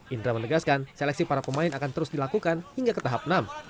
indra menegaskan seleksi para pemain akan terus dilakukan hingga ke tahap enam